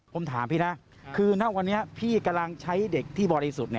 ผมถามพี่นะคือณวันนี้พี่กำลังใช้เด็กที่บริสุทธิ์